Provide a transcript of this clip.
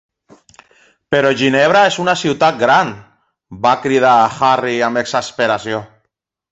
"Però Ginebra és una ciutat gran", va cridar a Harry amb exasperació.